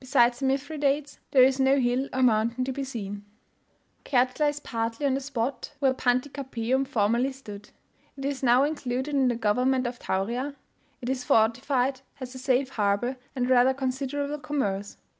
Besides the Mithridates, there is no hill or mountain to be seen. Kertsch lies partly on the spot where Pantikapaum formerly stood. It is now included in the government of Tauria; it is fortified, has a safe harbour, and rather considerable commerce.